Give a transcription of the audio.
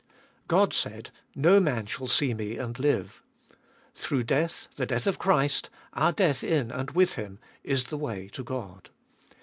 God said : No man shall see Me and live. Through death, the death of Christ, our death in and with Him, is the way to God.